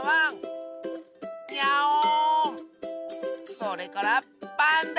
それからパンダ！